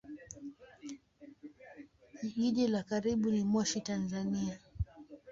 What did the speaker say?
Jiji la karibu ni Moshi, Tanzania.